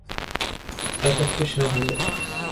ایسا کچھ نہ ہوا۔